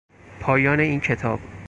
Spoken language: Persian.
پایان این کتاب